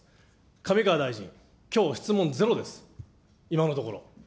上川大臣、きょう質問ゼロです、今のところ。